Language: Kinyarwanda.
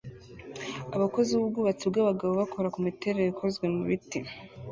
Abakozi b'ubwubatsi bw'abagabo bakora ku miterere ikozwe mu biti